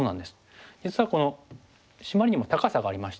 実はこのシマリにも高さがありまして。